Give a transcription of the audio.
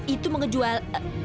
itu mau ngejual